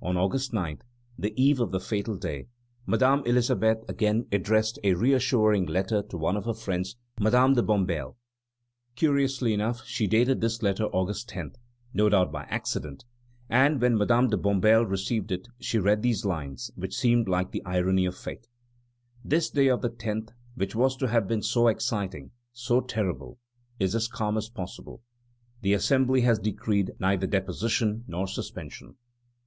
On August 9, the eve of the fatal day, Madame Elisabeth again addressed a reassuring letter to one of her friends, Madame de Bombelles. Curiously enough she dated this letter August 10, no doubt by accident, and when Madame de Bombelles received it, she read these lines, which seem like the irony of fate: "This day of the 10th, which was to have been so exciting, so terrible, is as calm as possible; the Assembly has decreed neither deposition nor suspension."